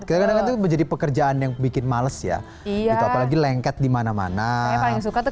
keadaan itu menjadi pekerjaan yang bikin males ya iya lagi lengket di mana mana yang suka tuh